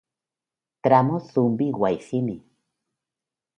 Tramo Zumbi-Guayzimi.